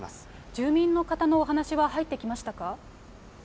住民の方のお話は入ってきましたか。